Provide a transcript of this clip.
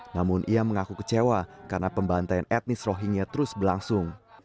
namun ia mengaku kecewa karena pembantaian etnis rohingya terus berlangsung